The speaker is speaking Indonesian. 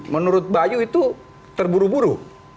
menurut mbak yu itu terburu buru